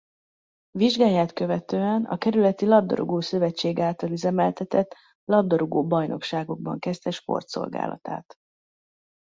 Vizsgáját követően a kerületi Labdarúgó-szövetség által üzemeltetett labdarúgó bajnokságokban kezdte sportszolgálatát.